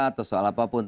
atau soal apapun